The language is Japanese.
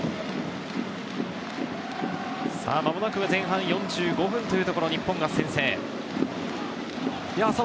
間もなく前半４５分というところで日本先制。